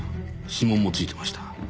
指紋もついてました。